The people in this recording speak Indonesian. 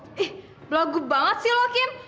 ih belagu banget sih lo kim